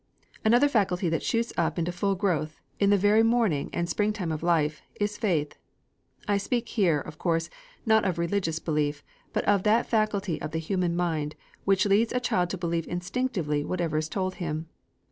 Another faculty that shoots up into full growth in the very morning and spring time of life, is Faith. I speak here, of course, not of religious belief, but of that faculty of the human mind which leads a child to believe instinctively whatever is told him.